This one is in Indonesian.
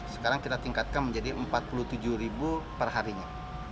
sekarang kita tingkatkan menjadi rp empat puluh tujuh perharinya